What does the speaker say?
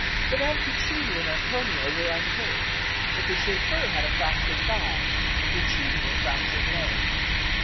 Mdme. Puccini and Antonio were unhurt, but the chauffeur had a fractured thigh and Puccini a fractured leg.